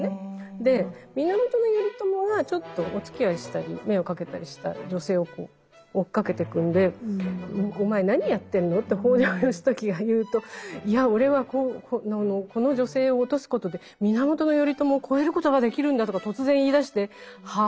で源頼朝がちょっとおつきあいをしたり目をかけたりした女性を追っかけてくんでお前何やってるのって北条義時が言うといや俺はこの女性を落とすことで源頼朝を超えることができるんだとか突然言いだしてはあ？